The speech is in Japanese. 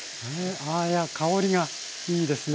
あいや香りがいいですね。